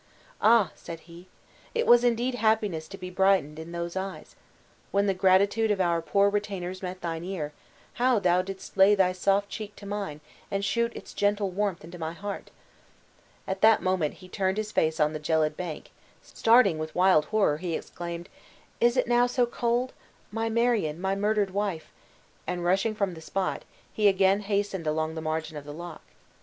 "Ah!" said he, "it was indeed happiness to be brightened in those eyes! When the gratitude of our poor retainers met thine ear, how didst thou lay thy soft cheek to mine, and shoot its gentle warmth into my heart!" At that moment he turned his face on the gelid bank; starting with wild horror, he exclaimed, "Is it now so cold? My Marion, my murdered wife!" and, rushing from the spot, he again hastened along the margin of the loch.